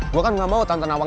gue kan gak mau tante nawang